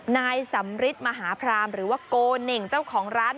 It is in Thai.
นายสัมฤทธิ์มหาพราหมณ์หรือว่าโกเรน่งเจ้าของร้าน